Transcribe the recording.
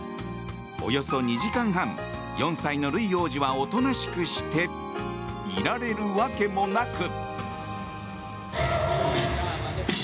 およそ２時間半４歳のルイ王子はおとなしくしていられるわけもなく。